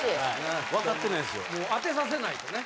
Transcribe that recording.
当てさせないとね